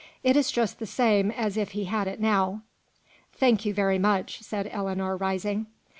It is just the same as if he had it now." "Thank you very much," said Ellinor rising.